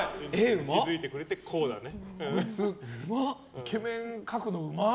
イケメン描くのうま！